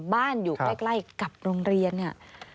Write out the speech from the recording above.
บ้านอยู่ได้ใกล้กับโรงเรียนเนี่ย